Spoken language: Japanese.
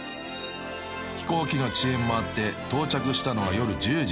［飛行機の遅延もあって到着したのは夜１０時］